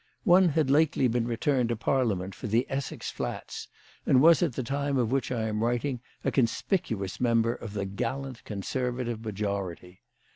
One had lately been returned to Parliament for the Essex Elats, and was at the time of which I am writing a conspicuous member of the gallant Conservative majority.